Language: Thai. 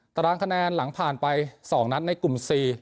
ตารางคะแนนหลังผ่านไป๒นัดในกลุ่ม๔